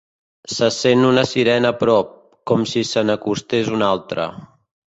Se sent una sirena a prop, com si se n'acostés una altra.